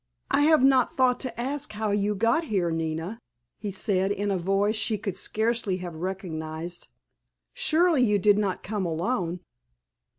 "I have not thought to ask how you got here, Nina?" he said, in a voice she would scarcely have recognized. "Surely you did not come alone?"